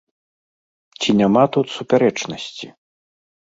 Ці няма тут супярэчнасці?